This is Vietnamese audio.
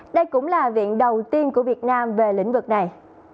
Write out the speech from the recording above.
đây cũng là viện đầu tiên của việt nam về lĩnh vực này